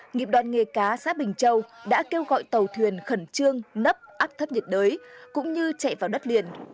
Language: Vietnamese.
nghiệp đoàn nghề cá xã bình châu đã kêu gọi tàu thuyền khẩn trương nấp áp thấp nhiệt đới cũng như chạy vào đất liền